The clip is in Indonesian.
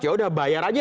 yaudah bayar aja